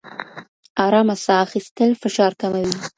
ارامه ساه اخیستل فشار کموي.